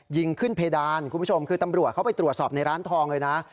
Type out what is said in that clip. ยิงขึ้นเพดานคุณผู้ชมคือตำรวจเข้าไปตรวจสอบในร้านทองเลยนะ